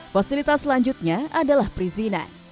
fasilitas selanjutnya adalah perizinan